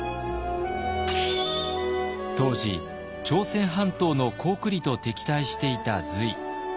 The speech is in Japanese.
当時朝鮮半島の高句麗と敵対していた隋。